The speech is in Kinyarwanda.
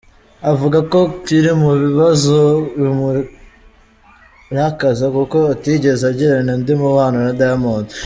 avuga ko kiri mu bibazo bimurakaza kuko atigeze agirana undi mubano na Diamond